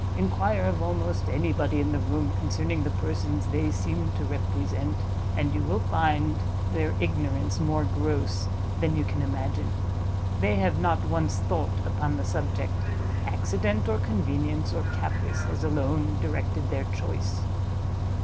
Enquire of almost any body in the room concerning the persons they seem to represent, and you will find their ignorance more gross than you can imagine; they have not once thought upon the subject; accident, or convenience, or caprice has alone directed their choice."